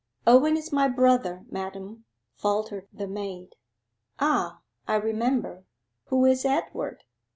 'Owen is my brother, madam,' faltered the maid. 'Ah, I remember. Who is Edward?